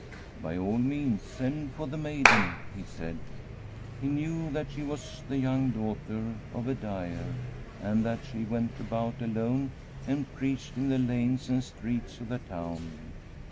' By all means send for the maiden/ he said. He knew that she was the young daughter of a dyer, and that she went about alone and preached in the lanes and streets of the town.